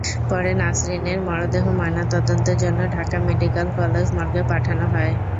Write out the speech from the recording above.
পরে নাসরিনের মরদেহ ময়নাতদন্তের জন্য ঢাকা মেডিকেল কলেজ মর্গে পাঠানো হয়।